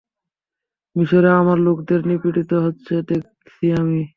মিশরে আমার লোকেদের নিপীড়িত হতে দেখেছি আমি।